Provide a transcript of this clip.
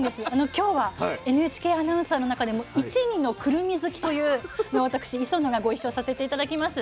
今日はＮＨＫアナウンサーの中でも一二のくるみ好きという私礒野がご一緒させて頂きます。